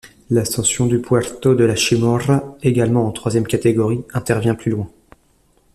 L'ascension du Puerto de la Chimorra, également en troisième catégorie, intervient plus loin.